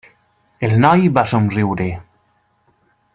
El noi va somriure.